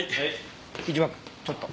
木島君ちょっと。